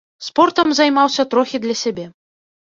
Спортам займаўся трохі для сябе.